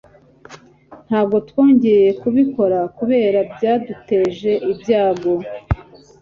Ntabwo twongeye kubikora kubera bya duteje ibyango.